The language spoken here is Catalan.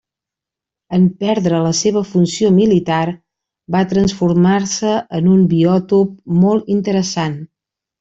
En perdre la seva funció militar, va transformar-se en un biòtop molt interessant.